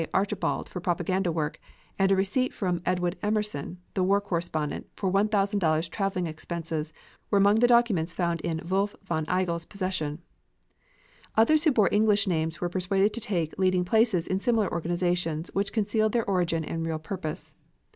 Archibald for propaganda work, and a receipt from Edwin Emerson, the war correspondent, for $1,000 traveling expenses were among the documents found in Wolf von Igel's possession. Others who bore English names were persuaded to take leading places in similar organizations which concealed their origin and real purpose.